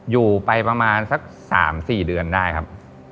อยู่ไปประมาณสัก๓๔เดือนได้ครับ